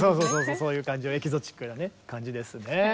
そういう感じのエキゾチックな感じですね。